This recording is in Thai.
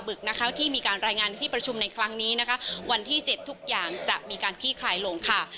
ที่มีการรายงานที่ประชุมในครั้งนี้นะคะวันที่เจ็ดทุกอย่างจะมีการขี้คลายลงค่ะ